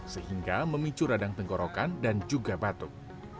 sehingga memicu radang tenggorokan dan juga batuk